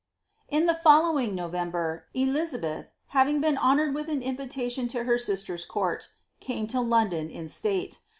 In the following NoTember, Elizabeth having been honoured with an inntation to her aister's court, came to London in state.